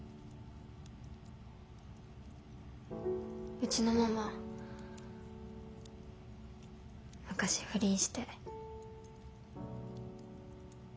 うちのママ昔不倫して。